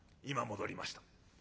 「今戻りました。